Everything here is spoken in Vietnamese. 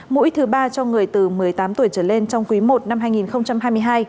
mũi thứ ba cho người từ một mươi tám tuổi trở lên trong quý i năm hai nghìn hai mươi hai